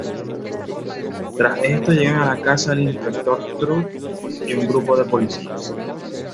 Tras esto llegan a la casa el inspector Trout y un grupo de policías.